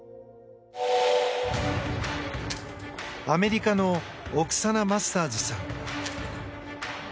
アメリカのオクサナ・マスターズさん。